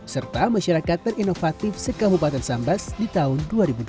serta masyarakat terinovatif sekabupaten sambas di tahun dua ribu dua puluh